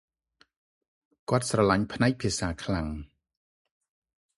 គាត់ស្រលាញ់ផ្នែកភាសាខ្លាំង ។